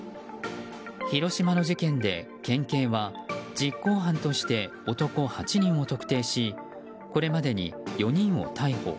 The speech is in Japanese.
広島の事件で県警は実行犯として男８人を特定しこれまでに４人を逮捕。